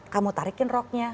kamu tarikin roknya